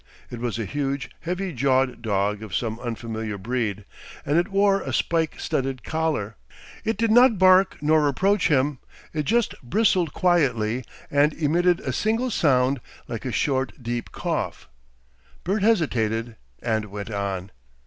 It was a huge heavy jawed dog of some unfamiliar breed, and it, wore a spike studded collar. It did not bark nor approach him, it just bristled quietly and emitted a single sound like a short, deep cough. Bert hesitated and went on.